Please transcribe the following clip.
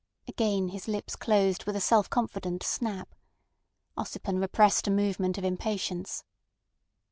Again his lips closed with a self confident snap. Ossipon repressed a movement of impatience.